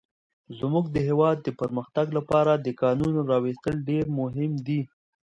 زموږ د هيواد د پرمختګ لپاره د کانونو راويستل ډير مهم دي.